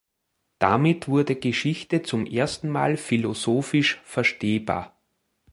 Damit wurde Geschichte zum ersten Mal philosophisch verstehbar.